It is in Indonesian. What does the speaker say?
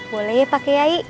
boleh ya pak kiai